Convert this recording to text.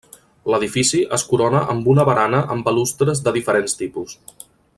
L'edifici es corona amb una barana amb balustres de diferents tipus.